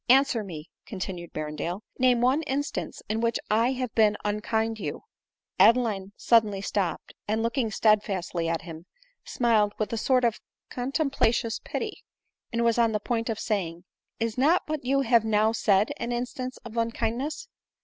" Answer me," continued Berrendale, " name one instance in which I have been unkind you." Adeline suddenly stopped, and, looking steadfastly at him, smiled with a sort of contemptuous pity, and was on the point of saying, " Is not what you have now said an instance of unkindness